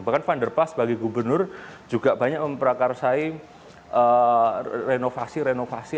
bahkan van der plas bagi gubernur juga banyak memperakarsai renovasi renovasi